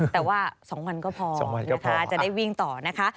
แต่ว่า๒วันก็พอนะคะจะได้วิ่งต่อนะคะ